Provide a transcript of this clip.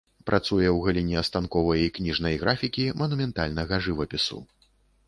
Працуе ў галіне станковай і кніжнай графікі, манументальнага жывапісу.